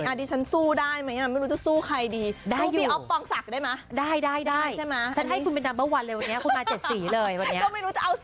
นอกจากสีเพิ่มเอาผ้ามาผูกไหม